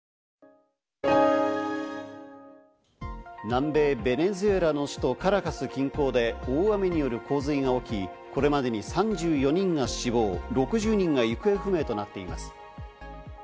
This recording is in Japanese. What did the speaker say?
南米ベネズエラの首都カラカス近郊で大雨による洪水が起き、これまでに３４人が死亡、６０人が行方不明となっています。